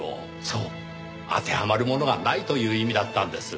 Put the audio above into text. そう当てはまるものがないという意味だったんです。